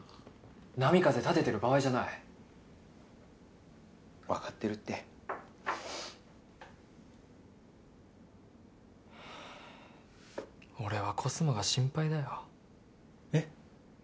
波風立ててる場合じゃない分かってるって俺はコスモが心配だよへっ？